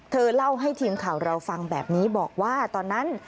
เล่าให้ทีมข่าวเราฟังแบบนี้บอกว่าตอนนั้น